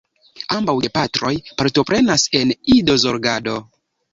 Ambaŭ gepatroj partoprenas en idozorgado.